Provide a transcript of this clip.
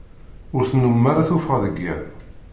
Ur tennumem ara tuffɣa deg iḍ.